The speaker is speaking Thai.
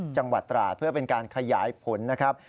จังหวัดตราดเพื่อเป็นการขยายผลนะครับ